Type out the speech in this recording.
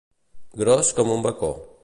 Gros com un bacó.